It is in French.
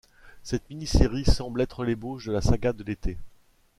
Cette mini-série semble être l'ébauche de la saga de l'été.